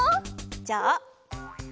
じゃあ。